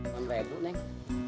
sampai dulu neng